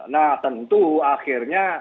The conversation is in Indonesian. nah tentu akhirnya